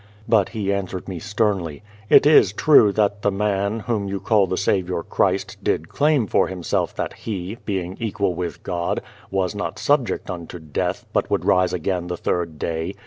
But he answered me sternly, " It is true that the man, whom you call the Saviour Christ, did claim for Himself that He, being equal with God, was not subject unto death, but would rise again the third day.